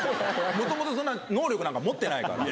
元々そんな能力なんか持ってないから。